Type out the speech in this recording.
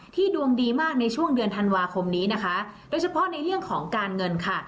ดวงดีมากในช่วงเดือนธันวาคมนี้นะคะโดยเฉพาะในเรื่องของการเงินค่ะ